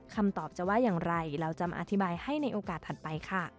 คำตอบจะว่าอย่างไรเราจะมาอธิบายให้ในโอกาสถัดไปค่ะ